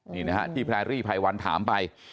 นี่นะฮะที่แพรรี่ไพรวันถามไป